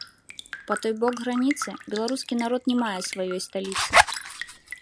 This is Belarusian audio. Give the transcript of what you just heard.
Па той бок граніцы беларускі народ не мае сваёй сталіцы.